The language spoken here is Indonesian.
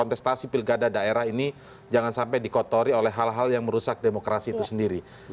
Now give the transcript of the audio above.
empat sipil gada daerah ini jangan sampai di kotori oleh hal hal yang merusak demokrasi itu sendiri